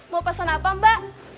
mau pesan apa mbak